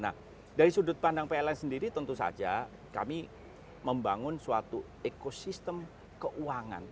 nah dari sudut pandang pln sendiri tentu saja kami membangun suatu ekosistem keuangan